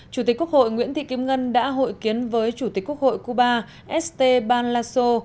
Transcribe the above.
chủ tịch quốc hội nguyễn thị kim ngân đã hội kiến với chủ tịch quốc hội cuba esteban lasso